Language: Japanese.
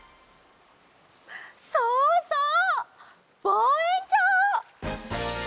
そうそうぼうえんきょう！